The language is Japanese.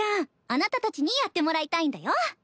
あなたたちにやってもらいたいんだよ。